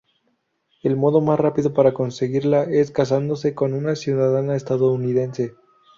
El modo más rápido para conseguirla es casándose con una ciudadana estadounidense.